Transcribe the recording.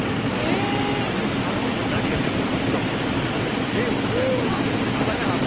もうゲームだね！